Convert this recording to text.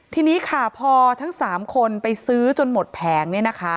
ทีนี้ค่ะพอทั้ง๓คนไปซื้อจนหมดแผง